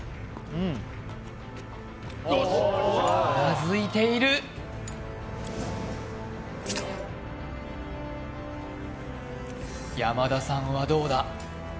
うなずいている山田さんはどうだ？